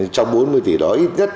trong bốn mươi tỷ đó ít nhất